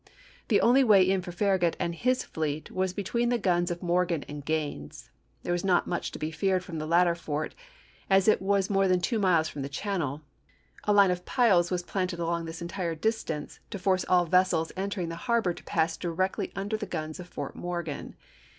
The only way in for Farragut and his fleet was between the guns of Morgan and Gaines. There was not much to be feared from the latter fort, as it was more than two miles from the channel, A line of piles was planted along this MOBILE BAY 225 entire distance, to force all vessels entering the chap. x. harbor to pass directly under the guns of Fort Morgan.